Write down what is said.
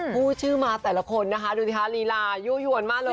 พูดชื่อมาแต่ละคนนะคะดูสิคะลีลายั่วยวนมากเลย